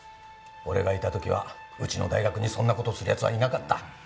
俺がいた時はうちの大学にそんな事をする奴はいなかった。